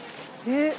えっ？